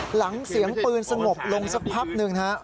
หลังเสียงปืนสงบลงสักพักหนึ่งนะครับ